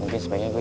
jangan tenang aja